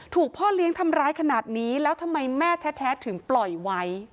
พ่อเลี้ยงทำร้ายขนาดนี้แล้วทำไมแม่แท้ถึงปล่อยไว้